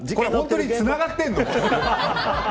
本当につながってるの、これ。